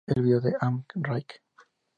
El video de Am I Right?